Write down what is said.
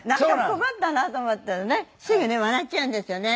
困ったなと思うとねすぐね笑っちゃうんですよね